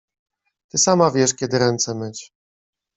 Ty sama wiesz, kiedy ręce myć!